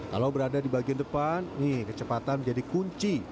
kalau berada di bagian depan nih kecepatan menjadi kunci